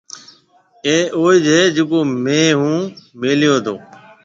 اَي اوج هيَ جڪو مهي هون ميليو تو۔